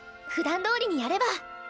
ふだんどおりにやれば。